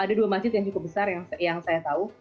ada dua masjid yang cukup besar yang saya tahu